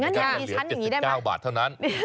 งั้นอยากมีชั้นอย่างนี้ได้ไหม